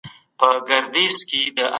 په ملکيت کي د غريبو خلګو حق سته.